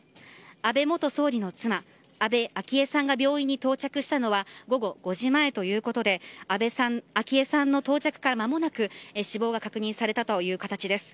安倍元総理の妻昭恵さんが病院に到着したのは午後５時前ということで昭恵さんの到着から間もなく死亡が確認されたという形です。